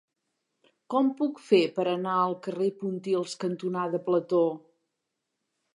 Com ho puc fer per anar al carrer Pontils cantonada Plató?